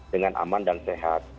dengan aman dan sehat